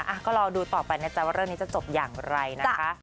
อ่าก็รอดูต่อไปเนี่ยแจ้วเนี่ยจะจบอย่างไรนะคะ